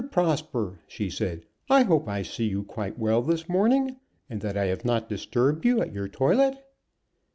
Prosper," she said, "I hope I see you quite well this morning, and that I have not disturbed you at your toilet."